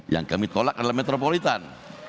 yang kami tolak adalah metropolitan